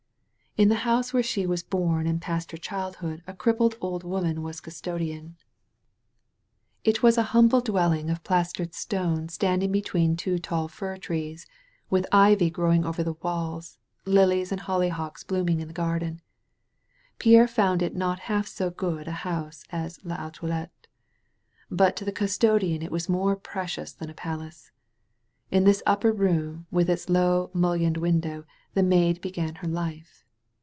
*' In the house where she was bom and passed her childhood a crippled old woman was custodian. It 121 THE VALLEY OF VISION was a humble dwelling of plastered stone standing between two taU fir trees, with ivy growing over the walls, lilies and hollyhocks blooming in the gar den. Pierre found it not half so good a house as VAlcmeUey But to the custodian it was more precious than a palace. In this upper room with its low mullioned window the Maid began her life.